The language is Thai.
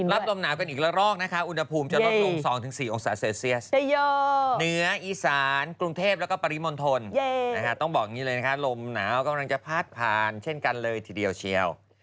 ลมหนาวกันอีกละรอกนะคะอุณหภูมิจะลดลง๒๔องศาเซลเซียสเหนืออีสานกรุงเทพแล้วก็ปริมณฑลต้องบอกอย่างนี้เลยนะคะลมหนาวกำลังจะพาดผ่านเช่นกันเลยทีเดียวเชียว